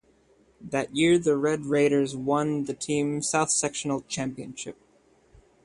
That year the Red Raiders won the team South Sectional championship.